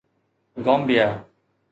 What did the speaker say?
گامبيا